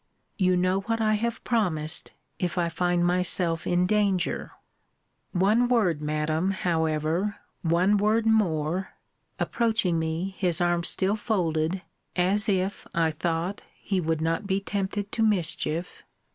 You know what I have promised, if I find myself in danger. One word, Madam, however; one word more [approaching me, his arms still folded, as if, I thought, he would not be tempted to mischief].